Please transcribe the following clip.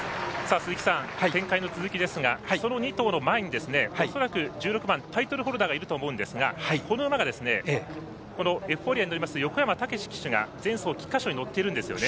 鈴木さん、展開の続きですがその２頭の前に恐らく１６番タイトルホルダーがいると思うんですがこの馬がエフフォーリアに乗ります横山武史騎手が菊花賞に乗っているんですよね。